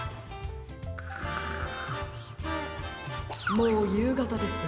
もうゆうがたです。